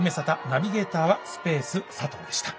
ナビゲーターはスペース佐藤でした。